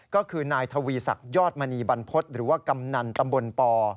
ก็คือนายทวีศักดิ์ยอดมณีบรรพฤษหรือว่ากำนันตำบลป